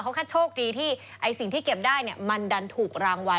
เขาแค่โชคดีที่ไอ้สิ่งที่เก็บได้เนี่ยมันดันถูกรางวัล